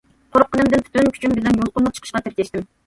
قورققىنىمدىن پۈتۈن كۈچۈم بىلەن يۇلقۇنۇپ چىقىشقا تىركەشتىم.